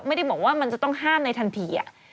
ไม่ได้บอกว่ามันจะต้องห้ามในทันที